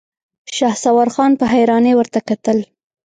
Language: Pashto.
شهسوار خان په حيرانۍ ورته کتل.